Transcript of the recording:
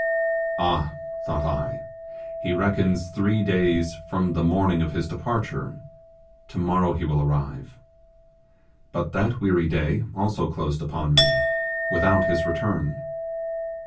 Ah! thought I, he reckons three days from the morning of his departure, tomorrow he will arrive. But that weary day also closed upon me, without his return.